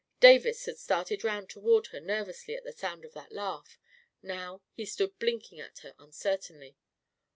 Davis had started round toward her nervously at the sound of that laugh; now he stood blinking at her uncertainly.